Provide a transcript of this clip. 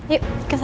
yuk ikut saya